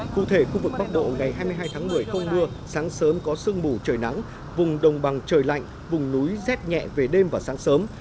cụ thể khu vực bắc bộ ngày hai mươi hai tháng một mươi không mưa sáng sớm có sương mù trời nắng vùng đồng bằng trời lạnh vùng núi rét nhẹ về đêm và sáng sớm